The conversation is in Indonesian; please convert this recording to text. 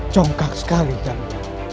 congkak sekali kami